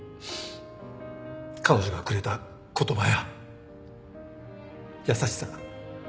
彼女がくれた言葉や優しさ。